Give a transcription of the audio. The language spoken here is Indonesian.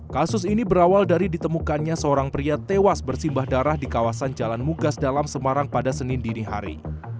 kasus ini berawal dari ditemukannya seorang pria tewas bersimbah darah di kawasan jalan mugas dalam semarang pada senin dinihari